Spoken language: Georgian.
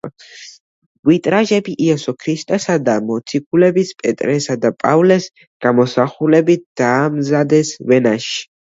ვიტრაჟები იესო ქრისტესა და მოციქულების პეტრესა და პავლეს გამოსახულებით დაამზადეს ვენაში.